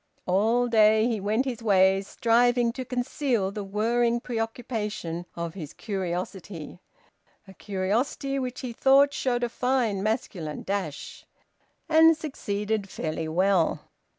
All day he went his ways, striving to conceal the whirring preoccupation of his curiosity (a curiosity which he thought showed a fine masculine dash), and succeeded fairly well.